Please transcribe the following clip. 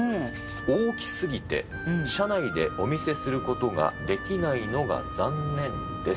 大きすぎて車内でお見せすることができないのが残念です。